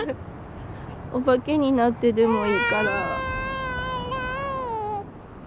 お化けになってでもいいから。